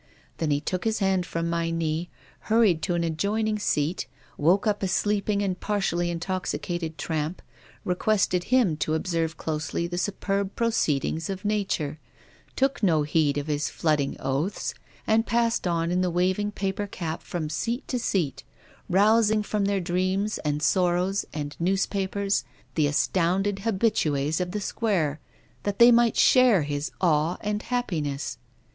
Then he took his hand from my knee, hurried to an adjoining seat, woke up a sleeping and partially intoxicated tramp, requested him to observe closely the superb proceedings of Nature, took no heed of his flooding oaths, and passed on in the waving paper cap from seat to seat, rousing from their dreams, and sorrows, and newspapers, the astounded habitues of the Square, that they might share his awe and happiness.